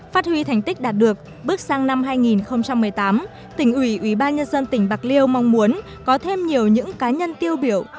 phát huy thành tích đạt được bước sang năm hai nghìn một mươi tám tỉnh ủy ủy ban nhân dân tỉnh bạc liêu mong muốn có thêm nhiều những cá nhân tiêu biểu